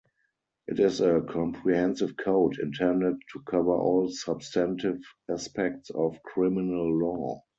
It is a comprehensive code intended to cover all substantive aspects of criminal law.